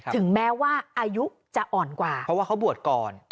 ถึงแม้ว่าอายุจะอ่อนกว่าเพราะว่าเขาบวชก่อน